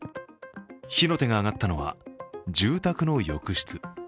火の手が上がったのは住宅の浴室。